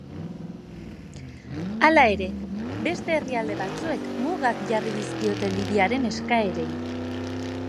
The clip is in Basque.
Hala ere, beste herrialde batzuek mugak jarri dizkiote Libiaren eskaerei.